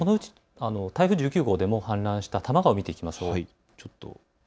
台風１９号でも氾濫した多摩川を見ていきます。